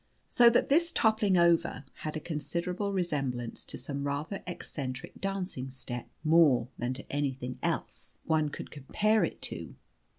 So that this toppling over had a considerable resemblance to some rather eccentric dancing step more than to anything else one could compare it to.